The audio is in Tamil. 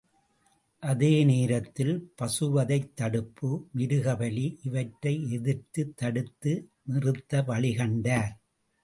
அதே நேரத்தில் பசுவதைத் தடுப்பு, மிருகபலி இவற்றை எதிர்த்துத் தடுத்து நிறுத்த வழி கண்டார்.